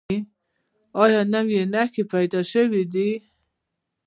ایا نوي نښې پیدا شوي دي؟